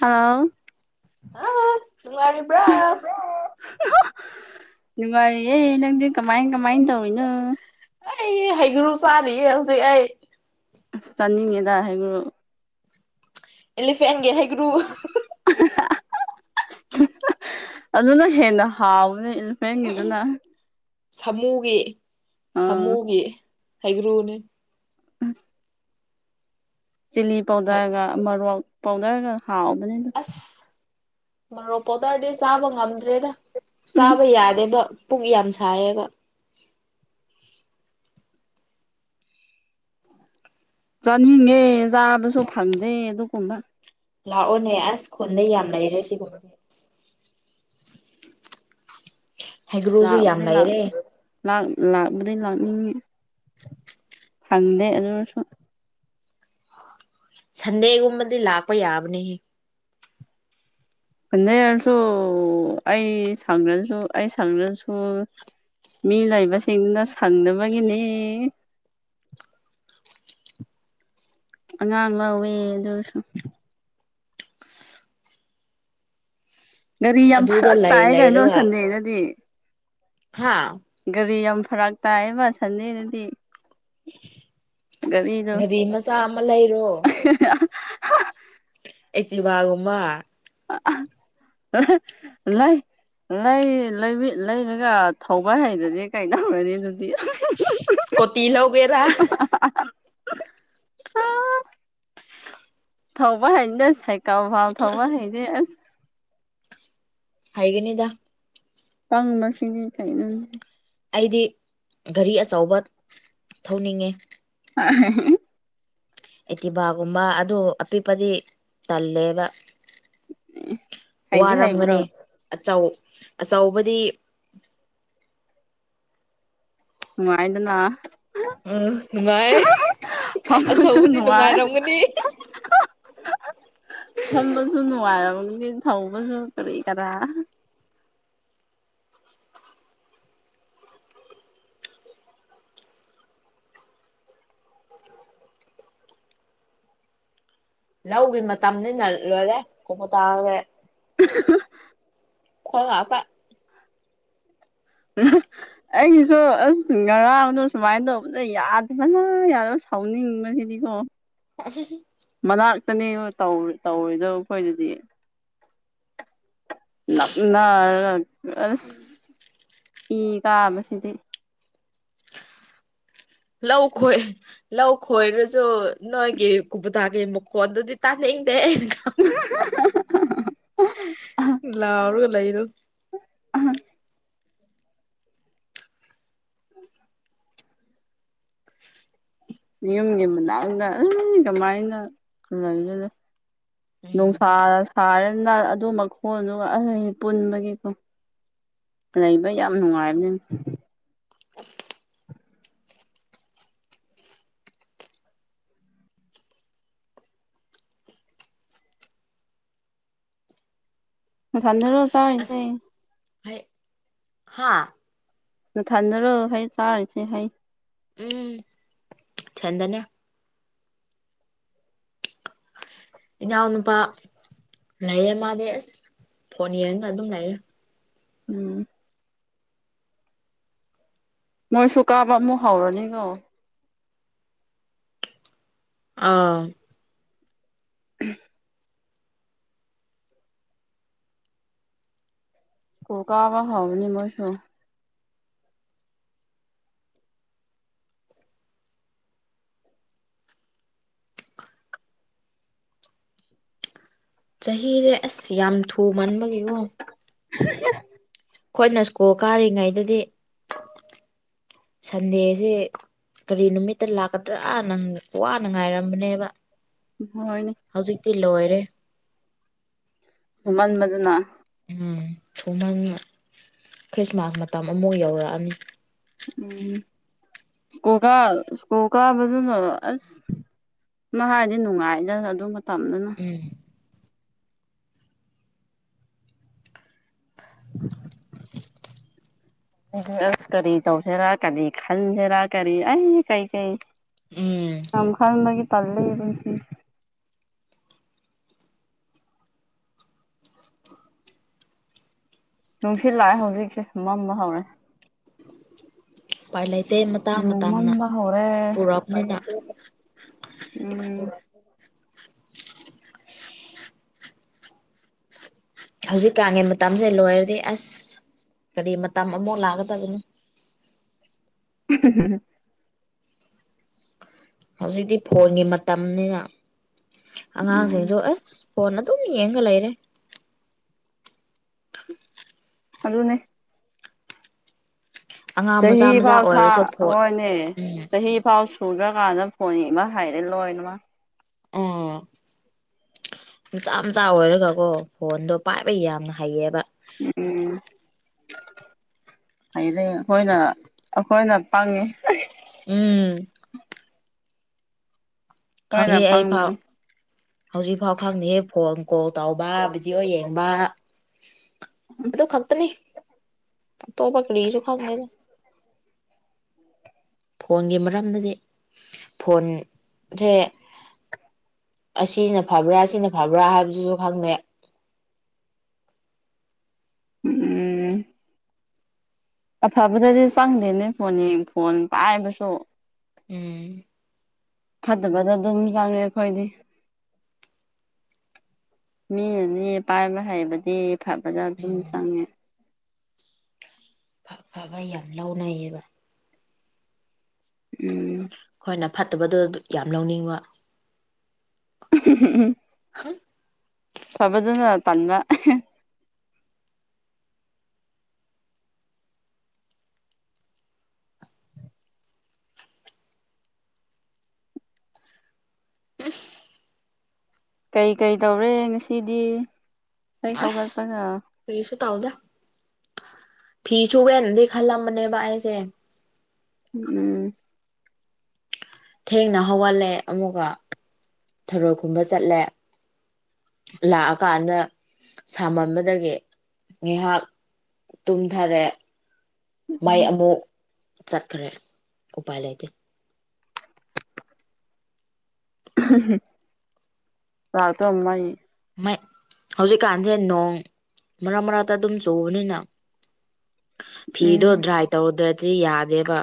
ꯍꯥꯎ ꯅꯨꯉꯥꯏꯔꯤꯕ꯭ꯔꯥ ꯅꯨꯡꯉꯥꯔꯤ‍ꯌꯦ ꯅꯪꯗꯤ ꯀꯃꯥꯏ ꯀꯃꯥꯏꯅ ꯇꯧꯔꯤꯅꯣ ꯑꯩ ꯍꯩꯒ꯭ꯔꯨ ꯆꯥꯔꯤꯌꯦ ꯍꯧꯖꯤꯛ ꯑꯩ ꯆꯥꯅꯤꯡꯉꯤꯗ ꯍꯥꯏꯒꯔꯨ ꯑꯦꯂꯤꯐꯦꯟꯒꯤ ꯍꯩꯒ꯭ꯔꯨ ꯑꯗꯨꯅ ꯍꯦꯟꯅ ꯍꯥꯎꯕꯅꯦ ꯏꯂꯤꯐꯦꯟꯒꯤꯗꯨꯅ ꯁꯥꯃꯨꯒꯤ ꯑꯥ ꯁꯥꯃꯨꯒꯤ ꯍꯩꯒꯔꯨ ꯑꯁ ꯆꯤꯂꯤ ꯄꯥꯎꯗꯔꯒ ꯃꯔꯣꯛ ꯄꯥꯎꯗꯔꯒ ꯍꯥꯎꯕꯅꯦ ꯃꯔꯣꯔꯣꯛ ꯄꯥꯎꯗꯔꯗꯤ ꯆꯥꯕ ꯉꯝꯗ꯭ꯔꯦꯗ ꯆꯥꯕ ꯌꯥꯗꯦꯕ ꯄꯨꯛ ꯌꯥꯝ ꯁꯥꯏꯌꯦꯕ ꯆꯥꯅꯤꯡꯉꯦ ꯆꯥꯕꯁꯨ ꯐꯪꯗꯦ ꯑꯗꯨꯒꯨꯝꯕ ꯂꯥꯛꯑꯣꯅꯦ ꯑꯁ ꯈꯨꯣꯟꯗꯥ ꯌꯥꯝ ꯂꯩꯔꯦ ꯁꯤꯒꯨꯝꯁꯦ ꯍꯩꯒ꯭ꯔꯨꯁꯨ ꯂꯥꯛꯑꯝ ꯌꯥꯝ ꯂꯩꯔꯦ ꯂꯥꯛ ꯂꯥꯛꯕꯗꯩ ꯂꯥꯛꯅꯤꯡꯉꯦ ꯇꯜꯗꯦ ꯑꯗꯨ ꯑꯣꯏꯔꯁꯨ ꯁꯟꯗꯦꯒꯨꯝꯕꯗꯤ ꯂꯥꯛꯄ ꯌꯥꯕꯅꯦ ꯑꯟꯗꯩꯔꯁꯨ ꯑꯩ ꯁꯪꯗ꯭ꯔꯁꯨ ꯑꯩ ꯁꯪꯗ꯭ꯔꯁꯨ ꯃꯤ ꯂꯩꯕꯁꯤꯡꯗꯨꯅ ꯁꯪꯗꯥꯕꯥꯒꯤꯅꯦ ꯑꯉꯥꯡ ꯂꯧꯋꯦ ꯑꯗꯨꯁꯨ ꯒꯥꯔꯤ ꯌꯥꯝ ꯑꯗꯨꯗ ꯐꯔꯛ ꯂꯩ ꯇꯥꯏꯌꯦ ꯑꯗꯣ ꯁꯟꯗꯦꯗꯥꯗꯤ ꯍꯥꯥ ꯒꯥꯔꯤ ꯌꯥꯝ ꯐꯔꯥꯛ ꯇꯥꯏꯌꯦꯕ ꯁꯟꯗꯦꯗꯗꯤ ꯒꯥꯔꯤꯗꯣ ꯒꯥꯔꯤ ꯃꯆꯥ ꯑꯃ ꯂꯩꯔꯣ ꯑꯩꯇꯤꯚꯥ ꯒꯨꯝꯕ ꯂꯩꯥ ꯂꯩ ꯂꯩꯔꯒ ꯊꯧꯕꯥ ꯍꯩꯗꯗꯤ ꯀꯩ ꯇꯧꯔꯅꯤ ꯑꯗꯨꯗꯤ [unintelligible] ꯑꯥ ꯊꯧꯕ ꯍꯥꯏꯇꯦ ꯁꯥꯏꯀꯜ ꯐꯥꯎ ꯊꯧꯕ ꯍꯥꯏꯇꯦ ꯑꯁ ꯍꯩꯒꯅꯤ ꯄꯪꯕꯁꯤꯡꯗꯤ ꯀꯩꯅꯣꯅꯦ ꯑꯩꯗꯤ ꯒꯥꯔꯤ ꯑꯆꯧꯕ ꯊꯧꯅꯤꯡꯉꯦ [unintelligible] ꯑꯦꯇꯤꯚꯥꯒꯨꯝꯕ ꯑꯗꯨ ꯑꯄꯤꯛꯄꯗꯤ ꯇꯜꯂꯦꯕ ꯍꯩꯗꯤ ꯍꯩꯕ꯭ꯔꯣ ꯋꯥꯔꯝꯒꯅꯤ ꯑꯆꯧ ꯑꯆꯧꯕꯗꯤ ꯥꯅꯨꯉꯥꯏꯗꯅꯥ ꯑꯥ ꯅꯨꯡꯉꯥꯏ ꯐꯝꯕꯁꯨ ꯑꯆꯧꯕꯥꯗꯤ ꯅꯨꯡꯉꯥꯏ ꯅꯨꯡꯉꯥꯏꯔꯝꯒꯅꯤ ꯐꯝꯕꯁꯨ ꯅꯨꯡꯉꯥꯏꯔꯝꯒꯅꯤ ꯊꯧꯕꯁꯨ ꯀꯔꯤ ꯀꯔꯥ ꯂꯧꯒꯤ ꯃꯇꯝꯅꯤꯅ ꯂꯣꯏꯔꯦ ꯀꯣꯀꯣꯇꯥꯒꯤ [unintelligible] [unintelligible] ꯑꯩꯒꯤꯁꯨ ꯑꯁ ꯉꯔꯥꯡꯗꯣ ꯁꯨꯃꯥꯏꯅ ꯇꯧꯕꯗꯥ ꯌꯥꯗꯕꯅ ꯌꯥꯗ ꯁꯥꯎꯅꯤꯡꯕꯁꯤꯗꯤꯀꯣ [unintelligible] ꯃꯅꯥꯛꯇꯅꯦ ꯇꯧꯔꯣꯏꯗꯕ ꯑꯩꯈꯣꯏꯗꯗꯤ ꯪꯅꯥ ꯑꯁ ꯏ ꯀꯥꯕꯁꯤꯗꯤ ꯂꯧꯈꯣꯏ ꯂꯧ ꯈꯣꯏꯔꯁꯨ ꯅꯣꯏꯒꯤ ꯀꯕꯨꯇꯥꯒꯤ ꯃꯨꯀꯣꯟꯗꯨꯗꯤ ꯇꯥꯅꯤꯡꯗꯦ ꯂꯥꯎꯔꯒ ꯂꯩ ꯂꯩꯔ ꯌꯨꯝꯒꯤ ꯃꯅꯥꯛꯇꯗ ꯀꯃꯥꯏꯅ ꯎꯝ ꯅꯨꯡꯁꯥ ꯁꯥꯔꯅ ꯑꯗꯨ ꯃꯈꯣꯟꯗꯨ ꯄꯨꯟꯕꯒꯤꯀꯣ ꯂꯩꯕ ꯌꯥꯝ ꯅꯨꯡꯉꯥꯏꯕꯅꯤ ꯊꯟꯗꯔꯣ ꯆꯥꯔꯤꯁꯦ ꯍꯥꯥ ꯅꯊꯟꯅꯔꯣ ꯍꯩ ꯆꯥꯔꯤꯁꯦ ꯍꯩ ꯎꯝ ꯊꯗꯅ ꯏꯅꯥꯎꯅꯨꯄꯥ ꯂꯩꯔꯦ ꯃꯥꯗꯤ ꯑꯁ ꯐꯣꯟ ꯌꯦꯡꯉꯒ ꯑꯗꯨꯝ ꯂꯩꯔꯦ ꯎꯝ ꯅꯣꯏꯁꯨ ꯀꯥꯕ ꯑꯃꯨꯛ ꯍꯧꯔꯅꯤꯀꯣ ꯑꯥ ꯎꯝ ꯀ ꯀꯥꯕ ꯍꯥꯎꯅꯤ ꯃꯣꯏꯁꯨ ꯆꯍꯤꯁꯦ ꯑꯁ ꯌꯥꯝ ꯊꯨ ꯃꯟꯥꯟꯕꯒꯤꯀꯣ ꯍꯥꯍꯥ ꯑꯩꯈꯣꯏꯅ ꯁ꯭ꯀꯨꯜ ꯀꯥꯔꯤꯉꯩꯗꯗꯤ ꯁꯟꯗꯦꯁꯤ ꯀꯔꯤ ꯅꯨꯃꯤꯠꯇ ꯂꯥꯛꯀꯗ꯭ꯔꯥ ꯅꯪ ꯋꯥꯅ ꯉꯥꯏꯔꯝꯕꯅꯦꯕ ꯍꯣꯏꯅꯦ ꯍꯧꯖꯤꯛꯇꯤ ꯂꯣꯏꯔꯦ ꯃꯃꯟ ꯃꯗꯨꯅ ꯎꯝ ꯁꯨꯃꯟ ꯈ꯭ꯔꯤꯁꯃꯥꯁ ꯃꯇꯝ ꯑꯃꯐꯛ ꯌꯧꯔꯛꯑꯅꯤ ꯎꯝ ꯁꯀꯨꯀꯥ ꯁꯀꯨꯀꯥꯗꯨꯅ ꯑ ꯃꯥ ꯍꯥꯏꯗꯤ ꯅꯨꯡꯉꯥꯏꯗ ꯑꯗꯨꯒ ꯇꯝꯗꯨꯅ ꯎꯝ ꯑꯁ ꯀꯔꯤ ꯇꯧꯁꯤꯦꯔꯥ ꯀꯔꯤ ꯈꯟꯁꯤꯦꯔꯥ ꯀꯔꯤ ꯑꯩ ꯀꯔꯤꯀꯩ ꯎꯝ ꯌꯥꯝ ꯈꯥꯟ ꯃꯥ ꯊꯜꯂꯕꯁꯤ ꯅꯨꯡꯁꯤꯠ ꯂꯥꯛꯑꯦ ꯍꯧꯖꯤꯛꯁꯦ ꯃꯝꯕ ꯍꯧꯔꯦ ꯎꯄꯥꯏ ꯂꯩꯇꯦ ꯃꯇꯥꯡ ꯃꯇꯝꯅ ꯎꯃꯝꯕ ꯍꯔꯦ ꯄꯨꯔꯛꯄꯅꯤꯅ ꯎꯝ ꯍꯧꯖꯤꯛꯀꯥꯟꯉꯦ ꯃꯇꯝꯁꯦ ꯂꯣꯏꯔꯗꯤ ꯑꯁ ꯀꯔꯤ ꯃꯇꯝ ꯑꯃꯨꯛ ꯂꯥꯛꯀꯗꯕꯅꯣ ꯎꯟ ꯍꯧꯖꯤꯛꯇꯤ ꯐꯣꯟꯒꯤ ꯃꯇꯝꯅꯤꯅ ꯎꯝ ꯑꯉꯥꯡꯁꯤꯡꯁꯨ ꯑꯁ ꯍꯅ ꯑꯗꯨ ꯎꯅꯤ ꯌꯦꯡ ꯉ ꯂꯩꯔꯦ ꯑꯗꯨꯅꯦ ꯑꯉꯥꯡ ꯃꯆꯥ ꯆꯍꯤ ꯃꯆꯥ ꯐꯥꯎ ꯁꯥ ꯑꯣꯏꯔꯁꯨ ꯐꯣꯟ ꯍꯣꯏꯅꯦ ꯎꯝ ꯆꯍꯤ ꯐꯥꯎ ꯁꯨꯗꯈ꯭ꯔꯀꯥꯟꯗ ꯐꯣꯟ ꯌꯦꯦꯛ ꯑꯃ ꯍꯥꯏꯔꯦ ꯂꯣꯏꯅꯃ ꯑꯣ ꯅꯍꯥ ꯃꯆꯥ ꯃꯆꯥ ꯑꯣꯏꯔꯒꯀꯣ ꯐꯣꯟꯗꯣ ꯄꯥꯏꯕ ꯌꯥꯝꯅ ꯍꯩꯌꯦꯕ ꯎꯝ ꯍꯥꯏꯗꯤ ꯑꯩꯈꯣꯏꯅ ꯑꯩꯈꯣꯏꯅ ꯄꯪꯉꯦ ꯎꯝ ꯍꯣꯏꯅ ꯈꯪꯗꯦ ꯑꯩ ꯐꯥꯎ ꯄꯪꯕꯅꯤ ꯍꯧꯖꯤꯛꯐꯥꯎ ꯈꯪꯗꯦꯍꯦꯛ ꯐꯣꯟ ꯀꯣꯜ ꯇꯧꯕ ꯚꯤꯗꯤꯑꯣ ꯌꯦꯡꯕ ꯑꯗꯨ ꯈꯛꯇꯅꯤ ꯑꯇꯣꯞ ꯄ ꯀꯔꯤꯁꯨ ꯈꯪꯗꯦꯅꯦ ꯐꯣꯟꯒꯤ ꯃꯔꯝꯗꯗꯤ ꯐꯣꯟꯁꯦ ꯑꯁꯤꯅ ꯐꯕ꯭ꯔꯥ ꯁꯤꯅ ꯐꯕ꯭ꯔꯥ ꯍꯥꯏꯕꯁꯤꯁꯨ ꯈꯪꯗ‌ꯦ ꯎꯝ ꯑꯐꯕꯗꯗꯤ ꯆꯪꯗꯦꯅꯦ ꯐꯣꯟ ꯌꯦ ꯐꯣꯟ ꯄꯥꯏꯕꯁꯨ ꯎꯝ ꯐꯠꯇꯕꯗ ꯑꯗꯨꯝ ꯆꯪꯉꯦ ꯑꯩꯈꯣꯏꯗꯤ ꯃꯤꯅꯗꯤ ꯄꯥꯏꯕ ꯍꯩꯕꯗꯤ ꯐꯕꯗ ꯑꯗꯨꯝ ꯎꯝ ꯆꯪꯉꯦ ꯐꯕ ꯌꯥꯝ ꯂꯧꯅꯩꯌꯦꯕ ꯎꯝ ꯑꯩꯈꯣꯏꯅ ꯐꯠꯇꯕꯗ‌ꯣ ꯌꯥꯝ ꯂꯧꯅꯤꯡꯕ ꯎꯝ ꯎꯝ ꯍ ꯐꯕꯗꯨꯅ ꯇꯟꯕ [unintelligible] ꯀꯩ ꯀꯩ ꯇꯧꯔꯦ ꯉꯁꯤꯗꯤ ꯍ‌ꯦꯛ ꯍꯧꯒꯠꯄꯒ ꯀ꯭ꯔꯤꯁꯨ ꯇꯧꯗ‌ꯦ ꯐꯤ ꯁꯨꯒ‌ꯦꯅꯗꯤ ꯈꯜꯂꯝꯕꯅꯦꯕ ꯑꯩꯁꯦ ꯎꯝ ꯊꯦꯡꯅ ꯍꯧꯒꯠꯂꯦ ꯑꯃꯨꯛꯒ ꯊꯔꯣꯏ ꯀꯨꯝꯕ ꯆꯠꯂꯦ ꯂꯥꯛꯑꯀꯥꯟꯗ ꯁꯥꯃꯟꯕꯗꯒꯤ ꯉꯥꯏꯍꯥꯛ ꯇꯨꯝꯊꯔꯦ ꯃꯩ ꯑꯃꯨꯛ ꯆꯠꯈ꯭ꯔꯦ ꯎꯄꯥꯏ ꯂꯩꯇꯦ [unintelligible] ꯃꯩ ꯃꯥꯏ ꯍꯧꯖꯤꯛꯀꯥꯟꯁꯦ ꯅꯣꯡ ꯃꯔꯛ ꯃꯔꯛꯇ ꯑꯗꯨꯝ ꯆꯨꯕꯅꯤꯅ ꯐꯤꯗꯣ ꯎꯝ ꯗ꯭ꯔꯥꯏ ꯇꯧꯔꯗ꯭ꯔꯗꯤ ꯌꯥꯗꯦꯕ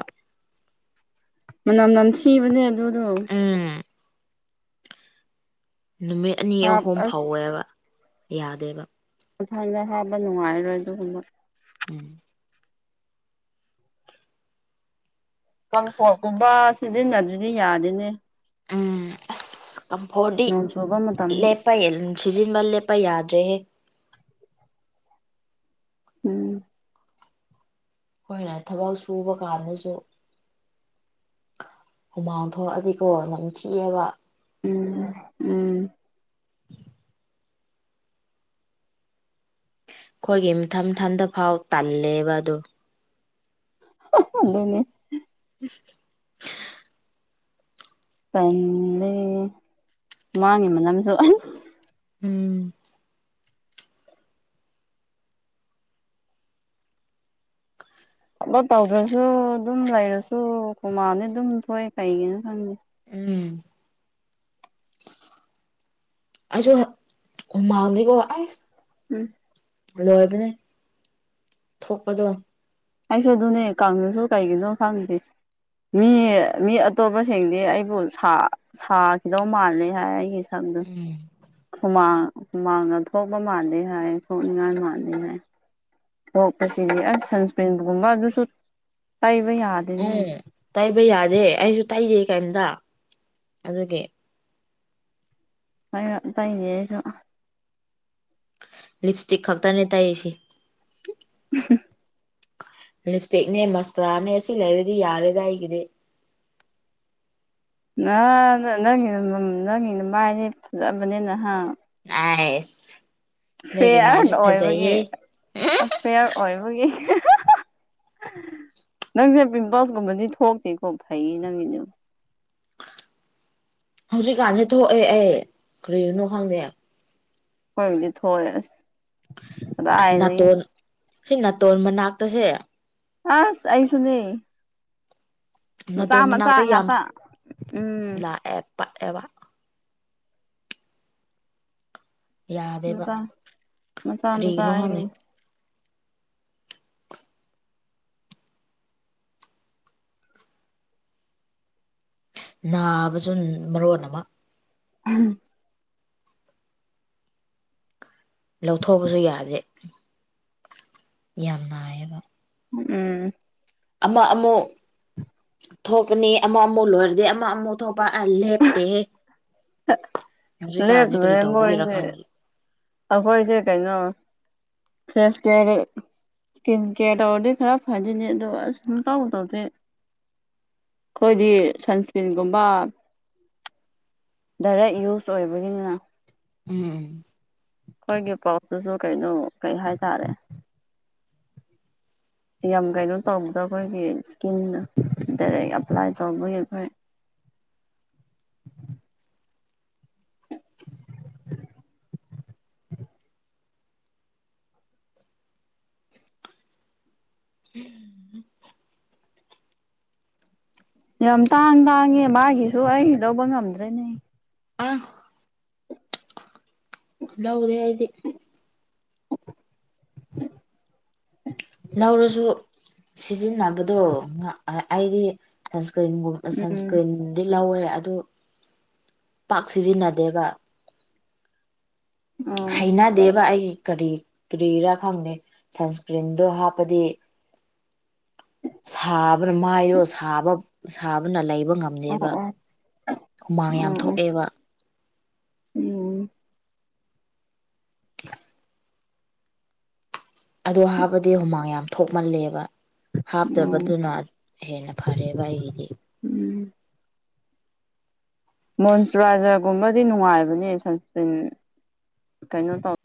ꯃꯅꯝ ꯅꯝ ꯊꯤꯕꯅꯦ ꯑꯗꯨꯗꯣ ꯎꯝ ꯅꯨꯃꯤꯠ ꯑꯅꯤ ꯍꯥꯞ ꯑꯍꯨꯝ ꯑꯁ ꯐꯧꯋꯦꯕ ꯌꯥꯗꯦꯕ ꯈꯨꯊꯥꯡꯗ ꯍꯥꯞꯄ ꯅꯨꯡꯉꯥꯏꯔꯣꯏ ꯑꯗꯨꯒꯨꯝꯕ ꯎꯝ ꯀꯝꯐ‌ꯣꯔꯠꯒꯨꯝꯕ ꯁꯤꯖꯤꯟꯅꯗꯗꯤ ꯌꯥꯗꯦꯅꯦ ꯎꯝ ꯑꯁ ꯀꯝꯐꯣꯔꯗꯤ ꯅꯣꯡ ꯆꯨꯕ ꯃꯇꯝꯗ ꯂꯦꯞ [unintelligible] ꯎꯝ ꯁꯤꯖꯤꯟꯕ ꯂꯦꯞꯄ ꯌꯥꯗ꯭ꯔꯦꯍꯦ ꯎꯝ ꯑꯩꯈꯣꯏꯅ ꯊꯕꯛ ꯁꯨꯕ ꯀꯥꯟꯗꯁꯨ ꯍꯨꯃꯥꯡ ꯊꯣꯛꯑꯗꯤꯀꯣ ꯅꯝꯊꯤꯌ‌ꯦꯕ ꯎꯝ ꯎꯝ ꯑꯩꯈꯣꯏꯒꯤ ꯃꯊꯟ ꯃꯊꯟꯗ ꯐꯥꯎ ꯇꯜꯂꯦꯕ ꯑꯗꯣ ꯑꯗꯨꯅꯦ [unintelligible] ꯇꯜꯂ‌ꯦ ꯃꯥꯒꯤ ꯃꯅꯝꯁꯨ ꯑꯁ ꯎꯝ ꯊꯕꯛ ꯇꯧꯗ꯭ꯔꯁꯨ ꯑꯗꯨꯝ ꯂꯩꯔꯁꯨ ꯍꯨꯃꯥꯡꯗꯤ ꯑꯗꯨꯝ ꯊꯣꯛꯏ ꯀꯩꯒꯤꯅ‌ꯣ ꯈꯪꯗꯦ ꯎꯝ ꯑꯩꯁꯨ ꯍꯨꯃꯥꯡꯗꯤꯀ‌ꯣ ꯑꯁ ꯎꯝ ꯂꯣꯏꯕꯅꯦ ꯊꯣꯛꯄꯗꯣ ꯑꯩꯁꯨ ꯑꯗꯨꯅꯦ ꯀꯪꯉꯁꯨ ꯀꯩꯒꯤꯅꯣ ꯈꯪꯗꯦ ꯃꯤ ꯃꯤ ꯑꯇꯣꯞꯄꯁꯤꯡꯗꯤ ꯑꯩꯕꯨ ꯁꯥꯈꯤꯗꯧ ꯃꯥꯜꯂꯤ ꯍꯥꯏ ꯑꯩꯒꯤ ꯎꯝ [unintelligible] ꯍꯨꯃꯥꯡ ꯍꯨꯃꯥꯡꯗ ꯊꯣꯛꯄ ꯃꯥꯜꯂꯦ ꯍꯥꯏ ꯊꯣꯛꯅꯤꯡꯉꯥꯏ ꯃꯥꯜꯂꯤꯦ ꯍꯥꯏ ꯊꯣꯛꯄꯁꯤꯗꯤ ꯑꯁ ꯁꯟꯁꯀ꯭ꯔꯤꯟꯒꯨꯝꯕ ꯑꯗꯨꯁꯨ ꯇꯩꯕ ꯌꯥꯗꯦꯅꯦ ꯎꯝ ꯇꯩꯕ ꯌꯥꯗꯦ ꯑꯩꯁꯨ ꯇꯩꯗꯦ ꯀꯩꯝꯇ ꯑꯗꯨꯒꯤ ꯍꯥꯏ ꯇꯥꯏꯅꯦ ꯑꯩꯁꯨ ꯂꯤꯞ ꯏꯁꯇꯤꯛ ꯈꯛꯇꯅꯦ ꯇꯥꯏꯁꯤ ꯎ ꯂꯤꯞ ꯏꯁꯇꯤꯛꯅꯦ ꯃꯁꯀ꯭ꯔꯥꯅꯦ ꯁꯤ ꯂꯩꯔꯗꯤ ꯌꯥꯔꯦꯗ ꯑꯩꯒꯤꯗꯤ ꯅ ꯅꯪꯒꯤ ꯅꯪꯒꯤꯅ ꯃꯥꯏꯅꯦ ꯐꯖꯑꯕꯅꯦ ꯅꯍꯥꯟ ꯑꯁ ꯐꯤꯌꯥꯔ ꯑꯣꯏꯕꯒꯤ ꯐꯤꯌꯥꯔ ꯑꯣꯏꯕꯒꯤ ꯅꯪꯁꯦ ꯄꯤꯝꯄꯜꯁꯀꯨꯝꯕꯗꯤ ꯊꯣꯛꯇꯦꯀꯣ ꯐꯩ ꯅꯪꯒꯤꯅ ꯍꯧꯖꯤꯛꯀꯥꯟꯁꯦ ꯊꯣꯛꯑꯦ ꯑꯩ ꯀꯔꯤꯒꯤꯅꯣ ꯈꯪꯗꯦ ꯑꯩꯈꯣꯏꯕꯨꯗꯤ ꯊꯣꯛꯑꯦ ꯑꯁ ꯑꯁ ꯀꯗꯥꯏꯗꯒꯤ ꯅꯥꯇꯣꯟ ꯁꯤ ꯅꯥꯇꯣꯟ ꯃꯅꯥꯛꯇꯁꯦ ꯑꯁ ꯑꯩꯁꯅꯦ ꯅꯥꯗꯣ ꯃꯅꯥꯛꯇ ꯌꯥꯝ ꯉꯥꯛꯇ ꯎꯝ ꯂꯥꯛꯑꯦ ꯄꯠꯑꯦꯕ ꯌꯥꯗꯦꯕ ꯃꯆꯥꯥ ꯃꯆꯥꯥ ꯃꯆꯥꯥ ꯀꯔꯤꯒꯤꯅꯣ ꯑ ꯈꯪꯗꯦ ꯅꯥꯕꯁꯨ ꯃꯔꯣꯟ ꯑꯃ ꯎꯝ ꯂꯧꯊꯣꯛꯕꯁꯨ ꯌꯥꯗꯦ ꯌꯥꯝ ꯅꯥꯏꯌꯦꯕ ꯎꯝ ꯑꯃ ꯑꯃꯨꯛ ꯊꯣꯛꯀꯅꯤ ꯑꯃ ꯑꯃꯨꯛ ꯂꯣꯏꯔꯗꯤ ꯑꯃ ꯑꯃꯨꯛ ꯑꯇꯣꯞꯄ ꯂꯦꯞꯇꯦꯍ ꯍꯧꯖꯤꯛꯀꯥꯟꯁꯦ ꯀꯔꯤ ꯂꯦꯞꯇꯕꯅꯦ ꯇꯧꯒꯦꯔꯥ ꯃꯣꯏꯁꯦ ꯈꯪꯉꯦ ꯑꯩꯈꯣꯏꯁꯦ ꯀꯩꯅꯣ ꯐꯦꯁ ꯀꯦꯒꯤ ꯏꯁꯀꯤꯟ ꯀꯦꯌꯥꯔ ꯇꯧꯔꯗꯤ ꯈꯔ ꯐꯗꯣꯏꯅꯦ ꯑꯗꯣ ꯑꯁ ꯁꯨꯡꯇꯧ ꯇꯧꯗꯦ ꯈꯣꯏꯗꯤ ꯁꯟꯁꯀ꯭ꯔꯤꯟꯒꯨꯝꯕ ꯗꯥꯏꯔꯦꯛ ꯌꯨꯁ ꯑꯣꯏꯕꯒꯤꯅꯤꯅ ꯎꯝ ꯑꯩꯈꯣꯏꯒꯤ ꯄꯥꯎꯇꯨꯁꯨ ꯀꯩꯅꯣ ꯀꯩ ꯍꯥꯏꯇꯥꯔꯦ ꯌꯥꯝ ꯀꯩꯅꯣ ꯇꯧꯕꯗ ꯑꯩꯈꯣꯏꯒꯤ ꯏꯁꯀꯤꯟ ꯗꯥꯏꯔꯦꯛ ꯑꯦꯞꯄ꯭ꯂꯥꯏ ꯇꯧꯕꯒꯤ ꯑꯩꯈꯣꯏ [unintelligible] ꯌꯥꯝ ꯇꯥꯡ ꯇꯥꯡꯉꯦ ꯃꯥꯒꯤꯁꯨ ꯑꯩ ꯂꯧꯕ ꯉꯝꯗ꯭ꯔꯦꯅꯦ ꯑꯥ ꯂꯧꯔꯦ ꯑꯩꯗꯤ ꯂꯧꯔꯁꯨ ꯁꯤꯖꯤꯟꯅꯕꯗꯣ ꯑꯩꯗꯤ ꯁꯟꯁꯀ꯭ꯔꯤꯟꯒꯨꯝ ꯎꯝ ꯁꯟꯁꯀ꯭ꯔꯤꯟꯗꯤ ꯂꯧꯋꯦ ꯑꯗꯨ ꯄꯥꯛ ꯁꯤꯖꯤꯟꯅꯗꯦꯕ ꯎꯝ ꯍꯩꯅꯗꯦꯕ ꯑꯩꯒꯤ ꯀꯔꯤ ꯀꯔꯤꯔꯥ ꯈꯪꯗꯦ ꯁꯟꯁꯀ꯭ꯔꯤꯟꯗꯣ ꯍꯥꯞꯄꯗꯤ ꯁꯥꯕꯅ ꯃꯥꯏꯗꯣ ꯁꯥꯕ ꯁꯥꯕꯅ ꯂꯩꯕ ꯉꯝꯕ ꯑꯣ ꯗꯦꯕ ꯑꯣ ꯍꯨꯃꯥꯡ ꯌꯥꯝ ꯎꯝ ꯎꯝ ꯊꯣꯛꯑꯦꯕ ꯎꯝ [inaudible] ꯑꯗꯣ ꯍꯥꯞꯄꯗꯤ ꯍꯨꯃꯥꯡ ꯌꯥꯝ ꯊꯣꯛꯃꯜꯂꯦꯕ ꯎꯝ ꯍꯥꯞꯇꯕꯗꯨꯅ ꯍꯦꯟꯅ ꯐꯔꯦꯕ ꯑꯩꯒꯤꯗꯤ ꯎꯝ ꯃꯣꯟꯆꯨꯔꯥꯏꯖꯔꯒꯨꯝꯕꯗꯤ ꯅꯨꯡꯉꯥꯏꯕꯅꯦ ꯁꯟꯁꯀ꯭ꯔꯤꯟ ꯀꯩꯅꯣ ꯇꯧ